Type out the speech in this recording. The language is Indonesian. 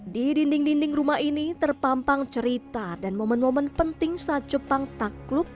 di dinding dinding rumah ini terpampang cerita dan momen momen penting saat jepang takluk